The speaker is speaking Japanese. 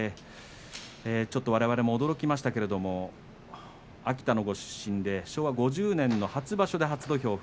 われわれも驚きましたけれど秋田のご出身で昭和５０年の初場所で初土俵。